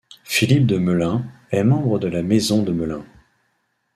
Philippe de Melun est membre de la maison de Melun.